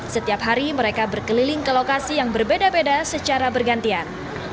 setiap hari mereka berkeliling ke lokasi yang berbeda beda secara bergantian